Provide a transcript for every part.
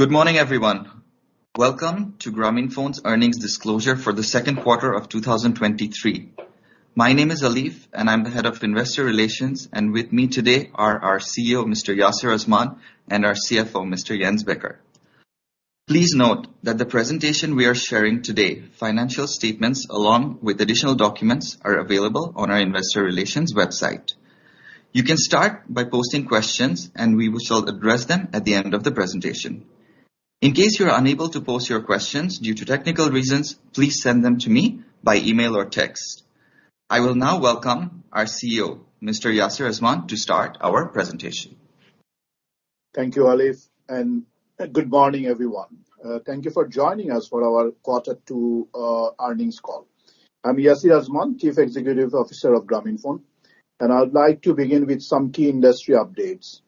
Good morning, everyone. Welcome to Grameenphone's earnings disclosure for the Q2 of 2023. My name is Alif, and I'm the Head of Investor Relations, and with me today are our CEO, Mr. Yasir Azman, and our CFO, Mr. Jens Becker. Please note that the presentation we are sharing today, financial statements, along with additional documents, are available on our investor relations website. You can start by posting questions, and we will shall address them at the end of the presentation. In case you are unable to post your questions due to technical reasons, please send them to me by email or text. I will now welcome our CEO, Mr. Yasir Azman, to start our presentation. Thank you, Alif, and good morning, everyone. Thank you for joining us for our Quarter Two earnings call. I'm Yasir Azman, Chief Executive Officer of Grameenphone, and I would like to begin with some key industry updates.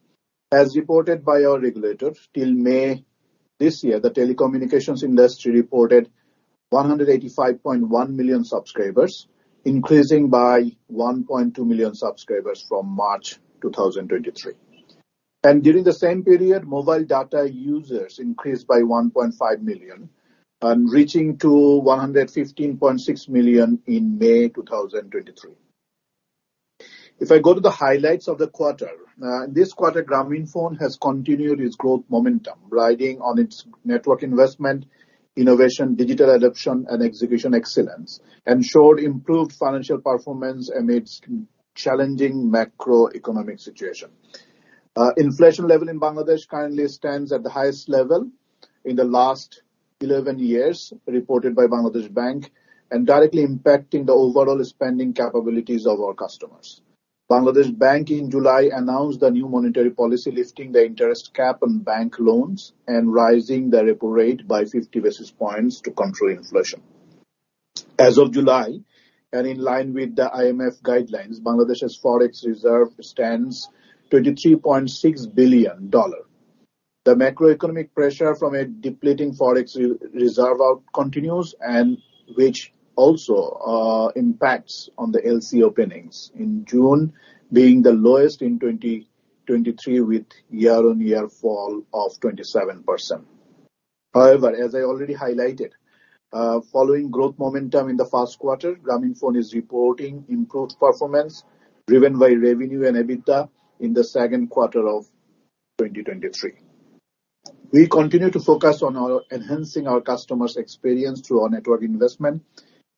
As reported by our regulator, till May this year, the telecommunications industry reported 185.1 million subscribers, increasing by 1.2 million subscribers from March 2023. During the same period, mobile data users increased by 1.5 million and reaching to 115.6 million in May 2023. If I go to the highlights of the quarter, this quarter, Grameenphone has continued its growth momentum, riding on its network investment, innovation, digital adoption, and execution excellence, and showed improved financial performance amidst challenging macroeconomic situation. Inflation level in Bangladesh currently stands at the highest level in the last 11 years, reported by Bangladesh Bank, and directly impacting the overall spending capabilities of our customers. Bangladesh Bank in July announced a new monetary policy, lifting the interest cap on bank loans and rising the repo rate by 50 basis points to control inflation. As of July, in line with the IMF guidelines, Bangladesh's Forex reserve stands $23.6 billion. The macroeconomic pressure from a depleting Forex reserve continues, which also impacts on the LC openings, in June being the lowest in 2023, with year-on-year fall of 27%. However, as I already highlighted, following growth momentum in the Q1, Grameenphone is reporting improved performance, driven by revenue and EBITDA in the Q2 of 2023. We continue to focus on our... enhancing our customers' experience through our network investment.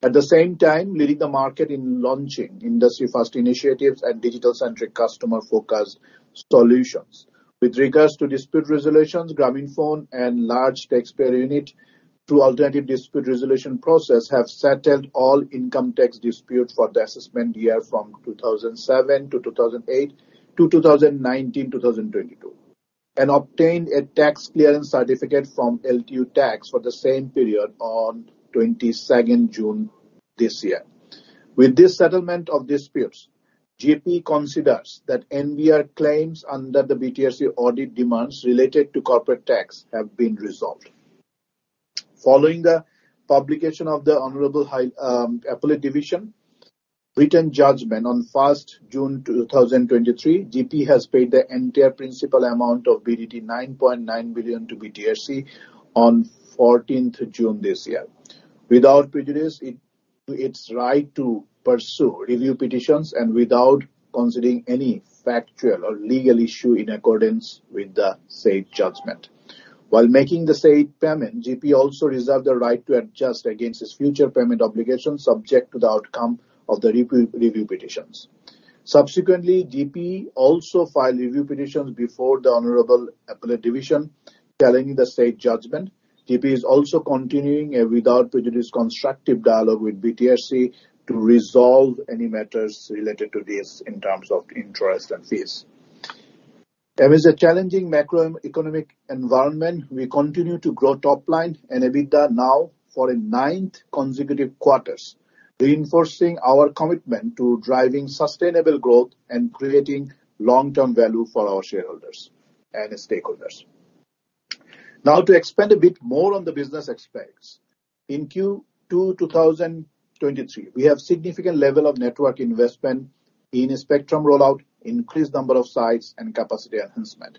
At the same time, leading the market in launching industry-first initiatives and digital-centric customer-focused solutions. With regards to dispute resolutions, Grameenphone and Large Taxpayers Unit, through alternative dispute resolution process, have settled all income tax disputes for the assessment year from 2007 to 2008 to 2019 to 2022, and obtained a tax clearance certificate from LTU-Tax for the same period on 22nd June this year. With this settlement of disputes, GP considers that NBR claims under the BTRC audit demands related to corporate tax have been resolved. Following the publication of the Honorable Appellate Division written judgment on June 1, 2023, GP has paid the entire principal amount of BDT 9.9 billion to BTRC on June 14 this year, without prejudice to its right to pursue review petitions and without considering any factual or legal issue in accordance with the said judgment. While making the said payment, GP also reserved the right to adjust against its future payment obligations, subject to the outcome of the review petitions. Subsequently, GP also filed review petitions before the Honorable Appellate Division, challenging the said judgment. GP is also continuing a without prejudice constructive dialogue with BTRC to resolve any matters related to this in terms of interest and fees. Amidst a challenging macroeconomic environment, we continue to grow top line and EBITDA now for a ninth consecutive quarters, reinforcing our commitment to driving sustainable growth and creating long-term value for our shareholders and stakeholders. Now, to expand a bit more on the business aspects. In Q2 2023, we have significant level of network investment in a spectrum rollout, increased number of sites, and capacity enhancement.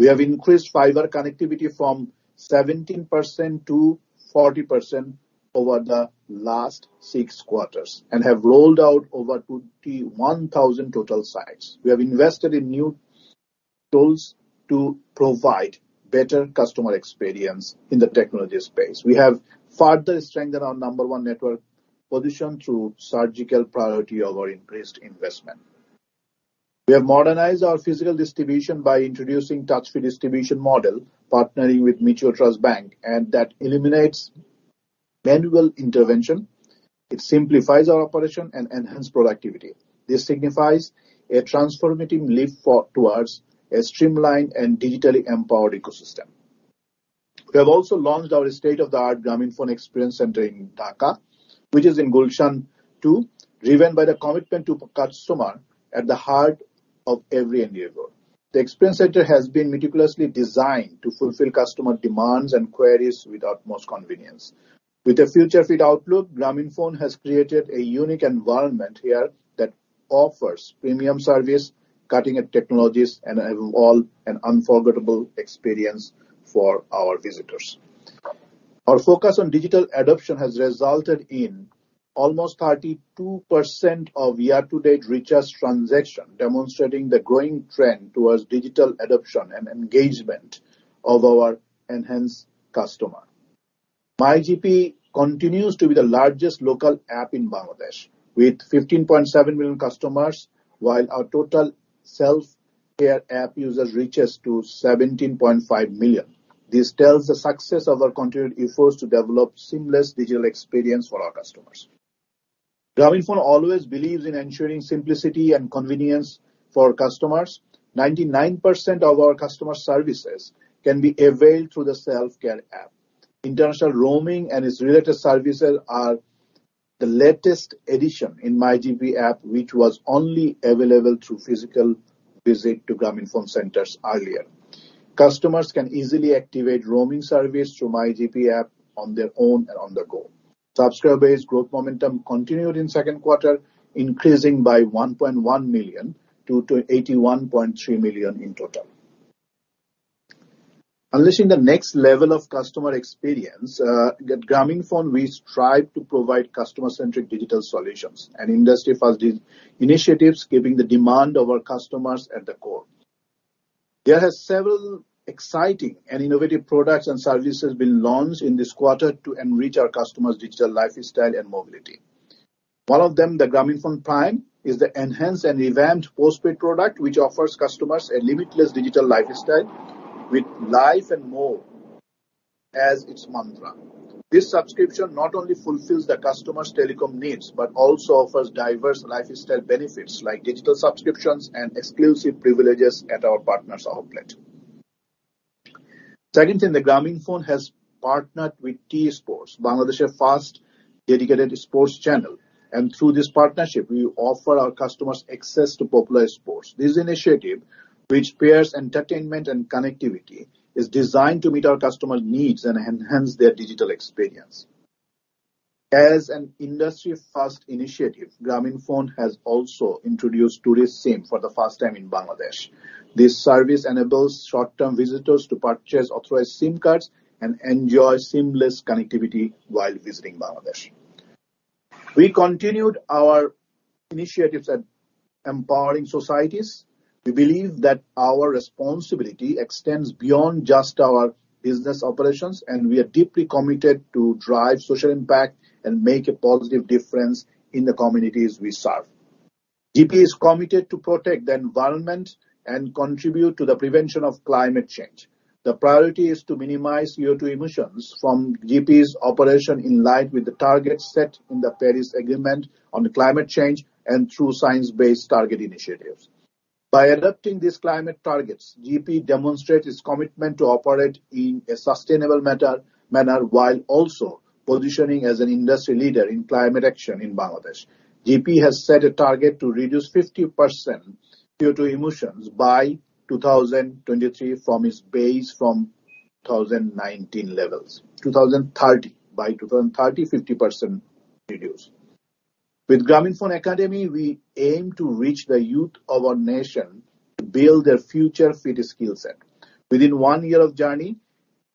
We have increased fiber connectivity from 17%-40% over the last six quarters and have rolled out over 21,000 total sites. We have invested in new tools to provide better customer experience in the technology space. We have further strengthened our number one network position through surgical priority of our increased investment. We have modernized our physical distribution by introducing touch-free distribution model, partnering with Mutual Trust Bank, that eliminates manual intervention, it simplifies our operation and enhance productivity. This signifies a transformative leap towards a streamlined and digitally empowered ecosystem. We have also launched our state-of-the-art Grameenphone Experience Center in Dhaka, which is in Gulshan two, driven by the commitment to put customer at the heart of every endeavor. The experience center has been meticulously designed to fulfill customer demands and queries with utmost convenience. With a future-fit outlook, Grameenphone has created a unique environment here that offers premium service, cutting-edge technologies, and all an unforgettable experience for our visitors. Our focus on digital adoption has resulted in almost 32% of year-to-date recharge transaction, demonstrating the growing trend towards digital adoption and engagement of our enhanced customer. MyGP continues to be the largest local app in Bangladesh, with 15.7 million customers, while our total self-care app users reaches to 17.5 million. This tells the success of our continued efforts to develop seamless digital experience for our customers. Grameenphone always believes in ensuring simplicity and convenience for our customers. 99% of our customer services can be availed through the self-care app. International roaming and its related services are the latest addition in MyGP app, which was only available through physical visit to Grameenphone centers earlier. Customers can easily activate roaming service through MyGP app on their own and on the go. Subscriber-based growth momentum continued in Q2, increasing by 1.1 million-81.3 million in total. Unleashing the next level of customer experience, at Grameenphone, we strive to provide customer-centric digital solutions and industry-first initiatives, keeping the demand of our customers at the core. There are several exciting and innovative products and services been launched in this quarter to enrich our customers' digital lifestyle and mobility. One of them, the Grameenphone Prime, is the enhanced and revamped postpaid product, which offers customers a limitless digital lifestyle with life and more as its mantra. This subscription not only fulfills the customer's telecom needs, but also offers diverse lifestyle benefits, like digital subscriptions and exclusive privileges at our partners' outlet. Second thing, the Grameenphone has partnered with T-Sports, Bangladesh's first dedicated sports channel, and through this partnership, we offer our customers access to popular sports. This initiative, which pairs entertainment and connectivity, is designed to meet our customers' needs and enhance their digital experience. As an industry-first initiative, Grameenphone has also introduced Tourist SIM for the first time in Bangladesh. This service enables short-term visitors to purchase authorized SIM cards and enjoy seamless connectivity while visiting Bangladesh. We continued our initiatives at empowering societies. We believe that our responsibility extends beyond just our business operations, and we are deeply committed to drive social impact and make a positive difference in the communities we serve. GP is committed to protect the environment and contribute to the prevention of climate change. The priority is to minimize CO2 emissions from GP's operation in line with the targets set in the Paris Agreement on Climate Change and through science-based target initiatives. By adopting these climate targets, GP demonstrates its commitment to operate in a sustainable manner, while also positioning as an industry leader in climate action in Bangladesh. GP has set a target to reduce 50% CO2 emissions by 2023 from its base from 2019 levels. 2030. By 2030, 50% reduced. With Grameenphone Academy, we aim to reach the youth of our nation to build their future fit skill set. Within 1 year of journey,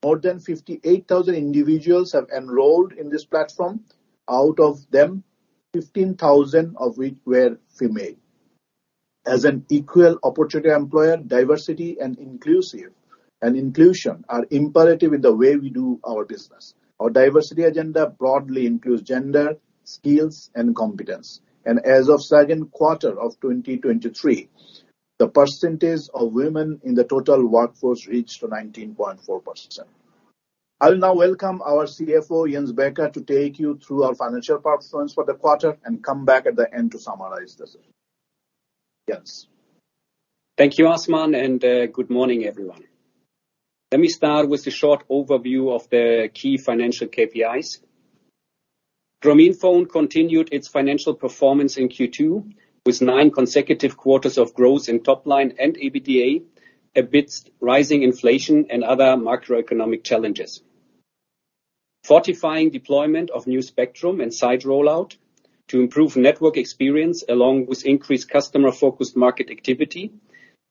more than 58,000 individuals have enrolled in this platform, out of them, 15,000 of which were female. As an equal opportunity employer, diversity and inclusion are imperative in the way we do our business. Our diversity agenda broadly includes gender, skills, and competence. As of Q2 of 2023, the percentage of women in the total workforce reached to 19.4%. I'll now welcome our CFO, Jens Becker, to take you through our financial performance for the quarter and come back at the end to summarize this. Jens? Thank you, Azman. Good morning, everyone. Let me start with a short overview of the key financial KPIs. Grameenphone continued its financial performance in Q2, with nine consecutive quarters of growth in top line and EBITDA, amidst rising inflation and other macroeconomic challenges. Fortifying deployment of new spectrum and site rollout to improve network experience, along with increased customer-focused market activity,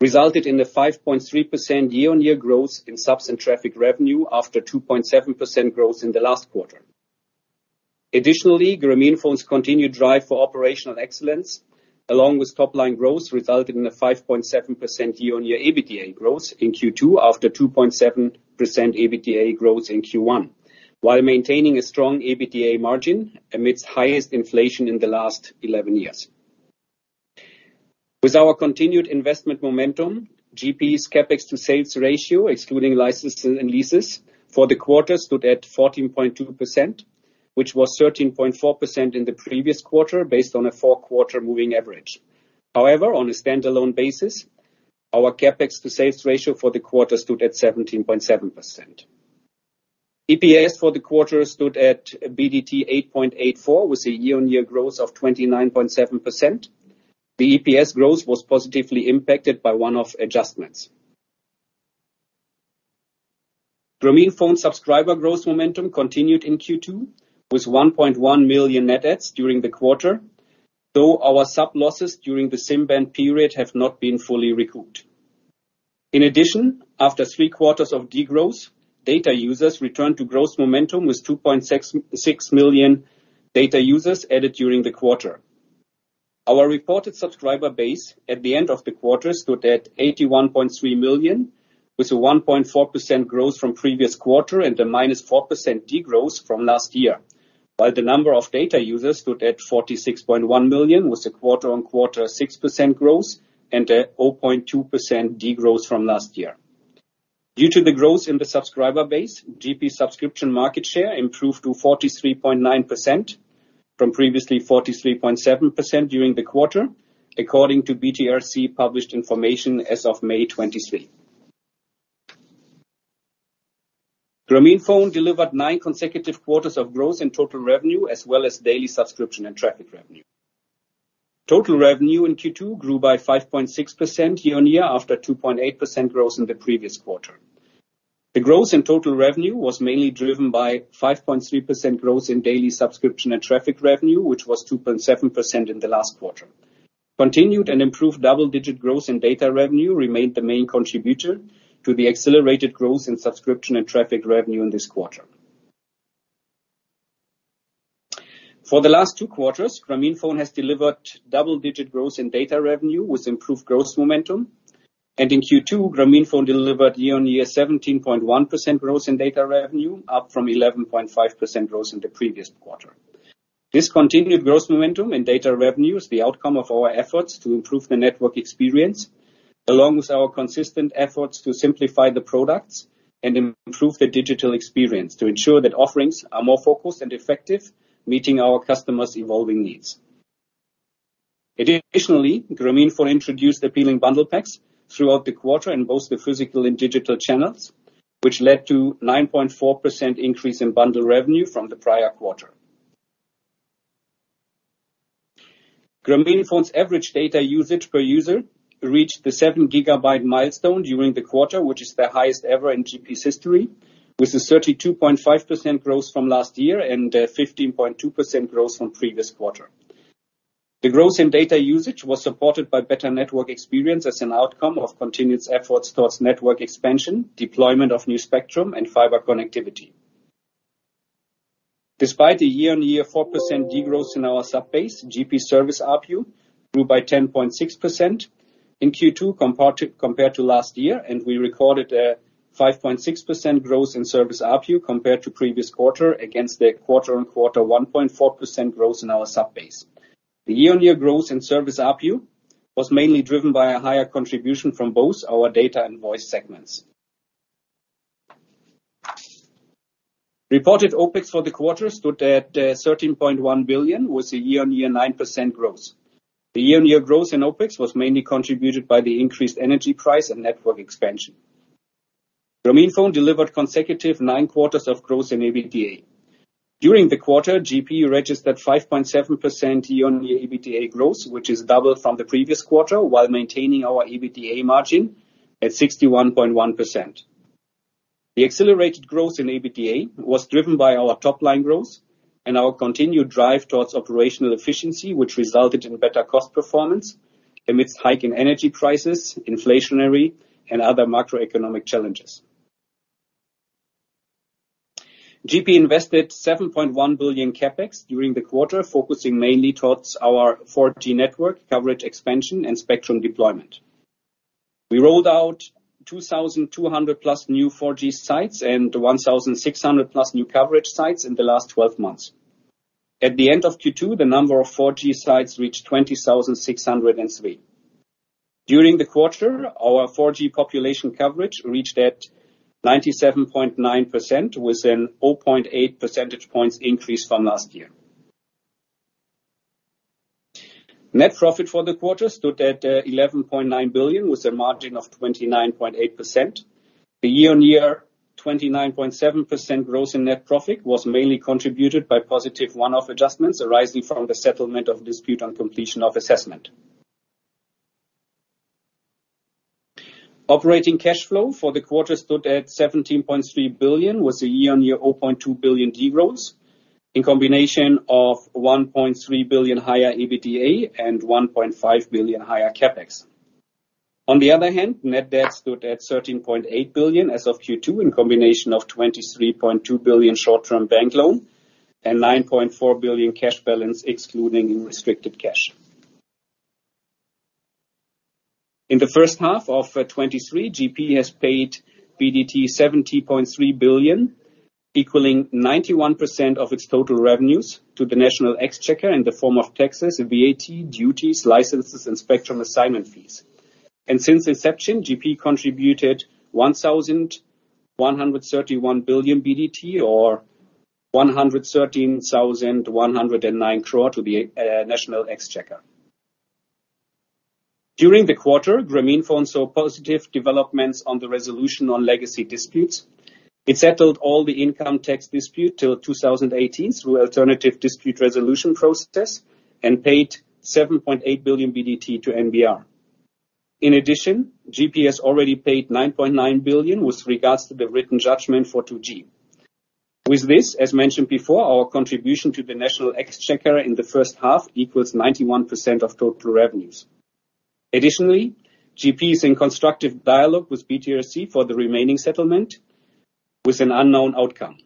resulted in a 5.3% year-on-year growth in subs and traffic revenue after 2.7% growth in the last quarter. Additionally, Grameenphone's continued drive for operational excellence, along with top-line growth, resulted in a 5.7% year-on-year EBITDA growth in Q2 after 2.7% EBITDA growth in Q1, while maintaining a strong EBITDA margin amidst highest inflation in the last 11 years. With our continued investment momentum, GP's CapEx to sales ratio, excluding licenses and leases, for the quarter stood at 14.2%, which was 13.4% in the previous quarter, based on a Q4 moving average. However, on a standalone basis, our CapEx to sales ratio for the quarter stood at 17.7%. EPS for the quarter stood at BDT 8.84, with a year-on-year growth of 29.7%. The EPS growth was positively impacted by one-off adjustments. Grameenphone subscriber growth momentum continued in Q2, with 1.1 million net adds during the quarter, though our sub losses during the SIM ban period have not been fully recouped. In addition, after Q3 of degrowth, data users returned to growth momentum with 2.66 million data users added during the quarter. Our reported subscriber base at the end of the quarter stood at 81.3 million, with a 1.4% growth from previous quarter and a -4% degrowth from last year. The number of data users stood at 46.1 million, with a quarter-on-quarter 6% growth and a 0.2% degrowth from last year. Due to the growth in the subscriber base, GP subscription market share improved to 43.9% from previously 43.7% during the quarter, according to BTRC published information as of May 23. Grameenphone delivered nine consecutive quarters of growth in total revenue, as well as daily subscription and traffic revenue. Total revenue in Q2 grew by 5.6% year-on-year, after 2.8% growth in the previous quarter. The growth in total revenue was mainly driven by 5.3% growth in daily subscription and traffic revenue, which was 2.7% in the last quarter. Continued and improved double-digit growth in data revenue remained the main contributor to the accelerated growth in subscription and traffic revenue in this quarter. For the last two quarters, Grameenphone has delivered double-digit growth in data revenue with improved growth momentum, and in Q2, Grameenphone delivered year-on-year 17.1% growth in data revenue, up from 11.5% growth in the previous quarter. This continued growth momentum in data revenue is the outcome of our efforts to improve the network experience, along with our consistent efforts to simplify the products and improve the digital experience to ensure that offerings are more focused and effective, meeting our customers' evolving needs. Additionally, Grameenphone introduced appealing bundle packs throughout the quarter in both the physical and digital channels, which led to 9.4% increase in bundle revenue from the prior quarter. Grameenphone's average data usage per user reached the 7 GB milestone during the quarter, which is the highest ever in GP's history, with a 32.5% growth from last year and 15.2% growth from previous quarter. The growth in data usage was supported by better network experience as an outcome of continuous efforts towards network expansion, deployment of new spectrum, and fiber connectivity. Despite the year-on-year 4% degrowth in our sub-base, GP service ARPU grew by 10.6% in Q2 compared to last year. We recorded a 5.6% growth in service ARPU compared to previous quarter, against the quarter-on-quarter 1.4% growth in our sub-base. The year-on-year growth in service ARPU was mainly driven by a higher contribution from both our data and voice segments. Reported OpEx for the quarter stood at BDT 13.1 billion, with a year-on-year 9% growth. The year-on-year growth in OpEx was mainly contributed by the increased energy price and network expansion. Grameenphone delivered consecutive nine quarters of growth in EBITDA. During the quarter, GP registered 5.7% year-on-year EBITDA growth, which is double from the previous quarter, while maintaining our EBITDA margin at 61.1%. The accelerated growth in EBITDA was driven by our top-line growth and our continued drive towards operational efficiency, which resulted in better cost performance amidst hike in energy prices, inflationary, and other macroeconomic challenges. GP invested BDT 7.1 billion CapEx during the quarter, focusing mainly towards our 4G network coverage, expansion, and spectrum deployment. We rolled out 2,200 plus new 4G sites and 1,600 plus new coverage sites in the last 12 months. At the end of Q2, the number of 4G sites reached 20,603. During the quarter, our 4G population coverage reached at 97.9%, with an 0.8 percentage points increase from last year. Net profit for the quarter stood at BDT 11.9 billion, with a margin of 29.8%. The year-on-year 29.7% growth in net profit was mainly contributed by positive one-off adjustments arising from the settlement of dispute on completion of assessment. Operating cash flow for the quarter stood at BDT 17.3 billion, with a year-on-year BDT 0.2 billion degrowth, in combination of BDT 1.3 billion higher EBITDA and BDT 1.5 billion higher CapEx. On the other hand, net debt stood at BDT 13.8 billion as of Q2, in combination of BDT 23.2 billion short-term bank loan and BDT 9.4 billion cash balance, excluding restricted cash. In the first half of 2023, GP has paid BDT 70.3 billion, equaling 91% of its total revenues to the National Exchequer in the form of taxes, VAT, duties, licenses, and spectrum assignment fees. Since inception, GP contributed BDT 1,131 billion, or BDT 113,109 crore to the National Exchequer. During the quarter, Grameenphone saw positive developments on the resolution on legacy disputes. It settled all the income tax dispute till 2018 through alternative dispute resolution processes and paid BDT 7.8 billion to NBR. GP has already paid BDT 9.9 billion with regards to the written judgment for 2G. As mentioned before, our contribution to the National Exchequer in the first half equals 91% of total revenues. GP is in constructive dialogue with BTRC for the remaining settlement, with an unknown outcome.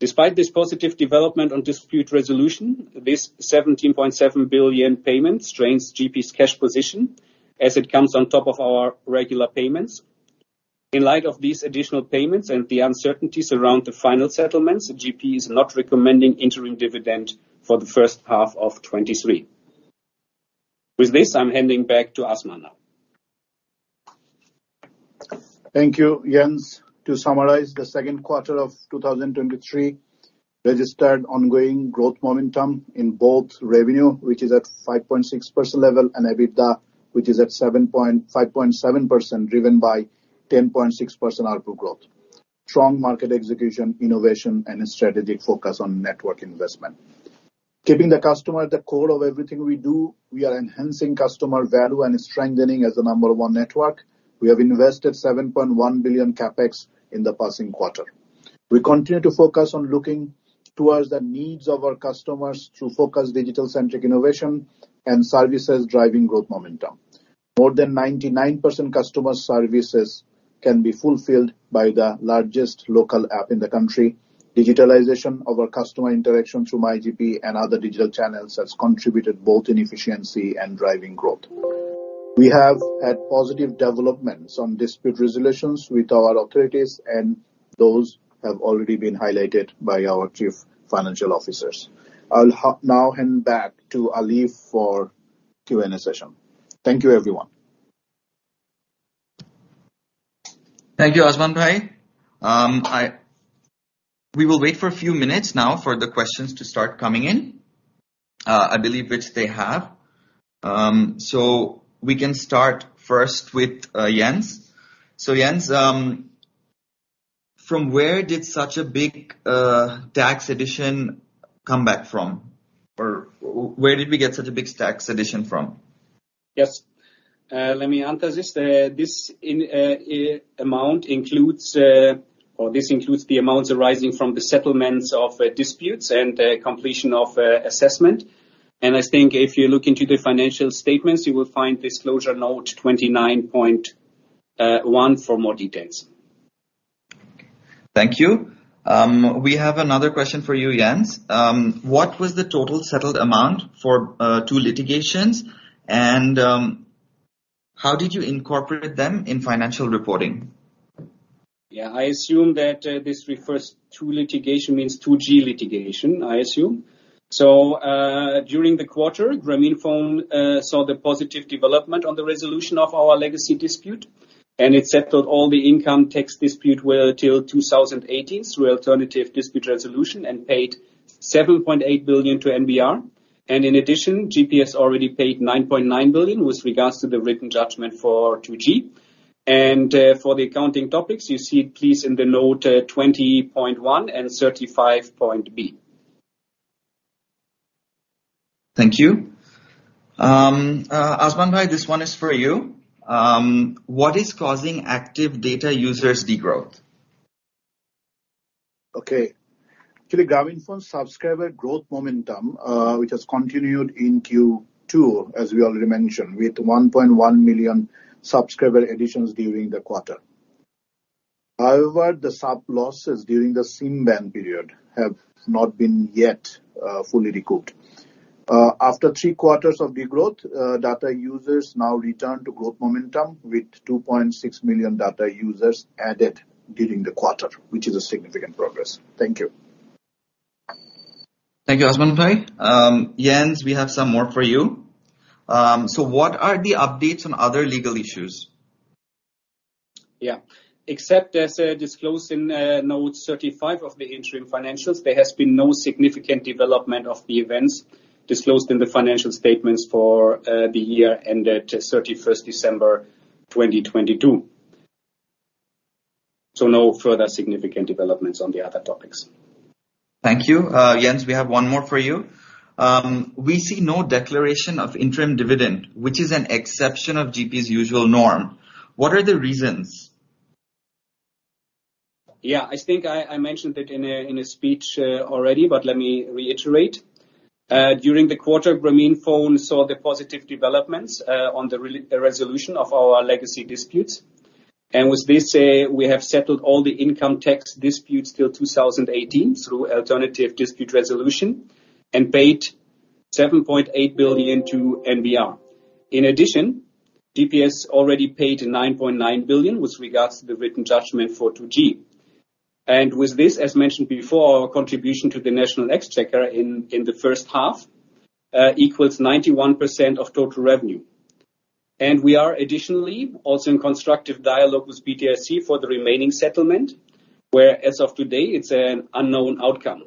Despite this positive development on dispute resolution, this BDT 17.7 billion payment strains GP's cash position as it comes on top of our regular payments. In light of these additional payments and the uncertainties around the final settlements, GP is not recommending interim dividend for the first half of 2023. With this, I'm handing back to Azman now. Thank you, Jens. To summarize, the Q2 of 2023 registered ongoing growth momentum in both revenue, which is at 5.6% level, and EBITDA, which is at 5.7%, driven by 10.6% ARPU growth. Strong market execution, innovation, and a strategic focus on network investment. Keeping the customer at the core of everything we do, we are enhancing customer value and strengthening as the number one network. We have invested BDT 7.1 billion CapEx in the past quarter. We continue to focus on looking towards the needs of our customers through focused digital-centric innovation and services driving growth momentum. More than 99% customer services can be fulfilled by the largest local app in the country. Digitalization of our customer interaction through MyGP and other digital channels has contributed both in efficiency and driving growth. We have had positive developments on dispute resolutions with our authorities. Those have already been highlighted by our chief financial officers. I'll now hand back to Alif for Q&A session. Thank you, everyone. Thank you, Azman ভাই. We will wait for a few minutes now for the questions to start coming in. I believe which they have. We can start first with Jens. Jens, from where did such a big tax addition come back from? Or where did we get such a big tax addition from? Yes, let me answer this. This in amount includes or this includes the amounts arising from the settlements of disputes and completion of assessment. I think if you look into the financial statements, you will find disclosure note 29.1 for more details. Thank you. We have another question for you, Jens. What was the total settled amount for 2 litigations? How did you incorporate them in financial reporting? Yeah, I assume that this refers 2 litigation means 2G litigation, I assume. during the quarter, Grameenphone saw the positive development on the resolution of our legacy dispute, and it settled all the income tax dispute well till 2018 through alternative dispute resolution and paid BDT 7.8 billion to NBR. In addition, GP has already paid BDT 9.9 billion with regards to the written judgment for 2G. For the accounting topics, you see it please in the note 20.1 and 35.B. Thank you. Azman, this one is for you. What is causing active data users' degrowth? Okay. Actually, Grameenphone subscriber growth momentum, which has continued in Q2, as we already mentioned, with 1.1 million subscriber additions during the quarter. However, the sub losses during the SIM ban period have not been yet fully recouped. After three quarters of degrowth, data users now return to growth momentum, with 2.6 million data users added during the quarter, which is a significant progress. Thank you. Thank you, Azman ভাই. Jens, we have some more for you. What are the updates on other legal issues? Yeah. Except as disclosed in note 35 of the interim financials, there has been no significant development of the events disclosed in the financial statements for the year ended 31st December, 2022. No further significant developments on the other topics. Thank you. Jens, we have one more for you. We see no declaration of interim dividend, which is an exception of GP's usual norm. What are the reasons? Yeah, I think I mentioned it in a speech already, but let me reiterate. During the quarter, Grameenphone saw the positive developments on the resolution of our legacy disputes. With this, we have settled all the income tax disputes till 2018 through alternative dispute resolution and paid BDT 7.8 billion into NBR. In addition, GPS already paid BDT 9.9 billion with regards to the written judgment for 2G. With this, as mentioned before, our contribution to the National Exchequer in the first half equals 91% of total revenue. We are additionally also in constructive dialogue with BTRC for the remaining settlement, where as of today, it's an unknown outcome.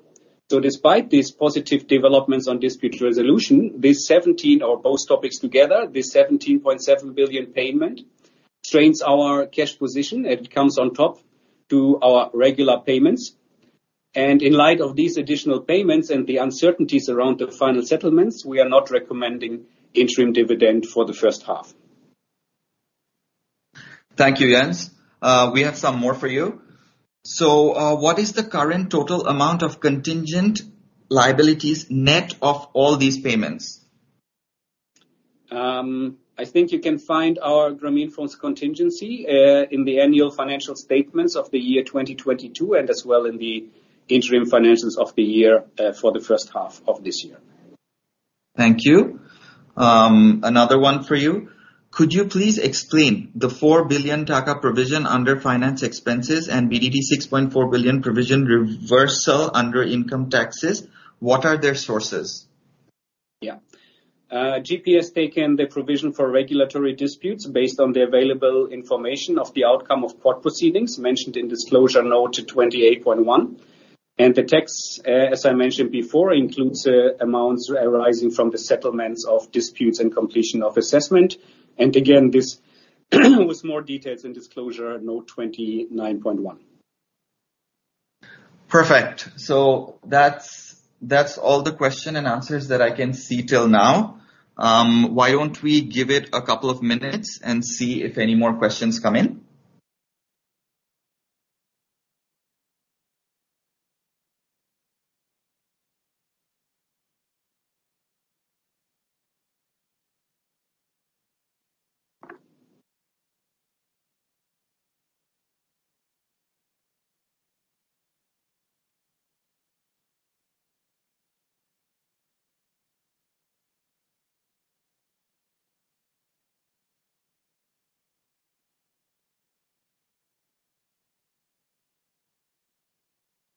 Despite these positive developments on dispute resolution, this 17 or both topics together, this BDT 17.7 billion payment strains our cash position, and it comes on top to our regular payments. In light of these additional payments and the uncertainties around the final settlements, we are not recommending interim dividend for the first half. Thank you, Jens. We have some more for you. What is the current total amount of contingent liabilities net of all these payments? I think you can find our Grameenphone's contingency, in the annual financial statements of the year 2022, and as well in the interim financials of the year, for the first half of this year. Thank you. Another one for you. Could you please explain the BDT 4 billion provision under finance expenses and BDT 6.4 billion provision reversal under income taxes? What are their sources? Yeah. GP has taken the provision for regulatory disputes based on the available information of the outcome of court proceedings mentioned in disclosure note 28.1. The tax, as I mentioned before, includes amounts arising from the settlements of disputes and completion of assessment. Again, this with more details in disclosure note 29.1. Perfect. That's, that's all the question and answers that I can see till now. Why don't we give it a couple of minutes and see if any more questions come in?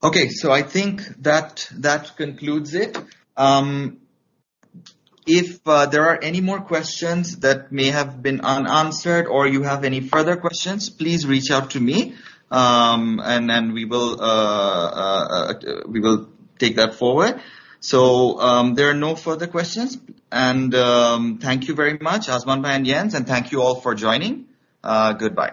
I think that concludes it. If there are any more questions that may have been unanswered or you have any further questions, please reach out to me, and then we will, we will take that forward. There are no further questions, and thank you very much, Azman and Jens, and thank you all for joining. Goodbye.